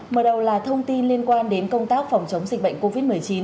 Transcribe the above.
mở đầu là thông tin liên quan đến công tác phòng chống dịch bệnh covid một mươi chín